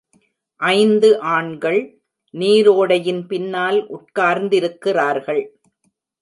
ஐந்து ஆண்கள் நீரோடையின் பின்னால் உட்கார்ந்திருக்கிறார்கள்.